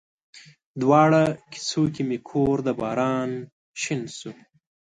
دواړو کسو کې مې کور د باران شین شو